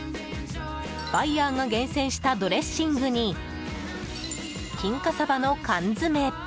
バイヤーが厳選したドレッシングに金華サバの缶詰。